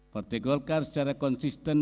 partai golkar secara konsisten